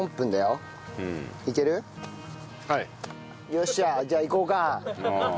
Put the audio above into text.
よっしゃ！じゃあいこうか。